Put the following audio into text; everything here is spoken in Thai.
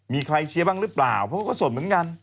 มีใครเชียร์บ้างหรือเปล่าเพราะเขาก็สดเหมือนกัน